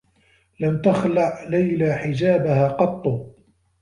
لم تخلع ليلى حجابها قطّ.